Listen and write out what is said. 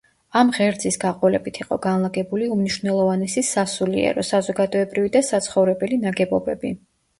ამ ღერძის გაყოლებით იყო განლაგებული უმნიშვნელოვანესი სასულიერო, საზოგადოებრივი და საცხოვრებელი ნაგებობები.